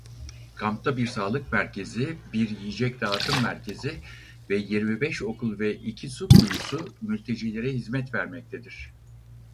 Kampta bir sağlık merkezi bir yiyecek dağıtım merkezi ve yirmi beş okul ve iki su kuyusu mültecilere hizmet vermektedir.